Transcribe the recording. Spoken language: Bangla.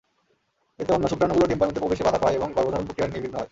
এতে অন্য শুক্রাণুগুলো ডিম্বাণুতে প্রবেশে বাধা পায় এবং গর্ভধারণ প্রক্রিয়া নির্বিঘ্ন হয়।